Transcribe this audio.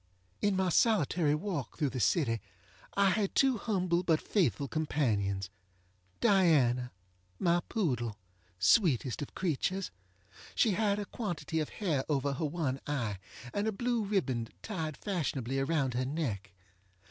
In my solitary walk through, the city I had two humble but faithful companions. Diana, my poodle! sweetest of creatures! She had a quantity of hair over her one eye, and a blue ribbon tied fashionably around her neck.